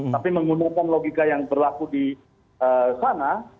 tapi menggunakan logika yang berlaku di sana